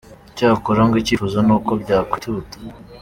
Icyakora ngo icyifuzo ni uko byakwihuta.